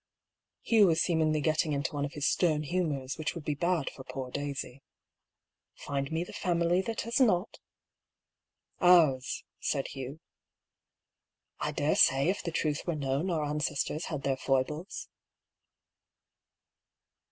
(Hugh was seemingly getting into one of his stem humours, which would be bad for poor Daisy.) " Find me the family that has not." " Ours," said Hugh. " I daresay, if the truth were known, our ancestors had their foibles."